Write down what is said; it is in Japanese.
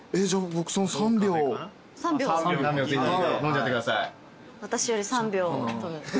３秒ぜひ飲んじゃってください。